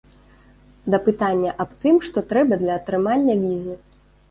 Да пытання аб тым, што трэба для атрымання візы.